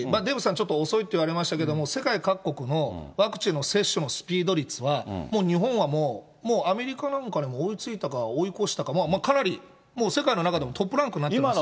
ちょっと遅いって言われましたけど、世界各国のワクチンの接種率のスピードは、日本はもうアメリカなんかにも追いついたか追い越したか、かなり、もう世界の中でもトップランクになってますよ。